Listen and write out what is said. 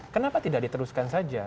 kenapa tidak diteruskan saja